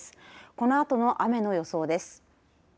このあとの雨の予想です。